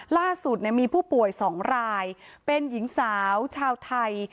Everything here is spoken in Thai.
ล่าสุดมีผู้ป่วย๒รายเป็นหญิงสาวชาวไทย